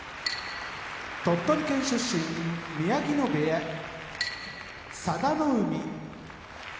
鳥取県出身宮城野部屋佐田の海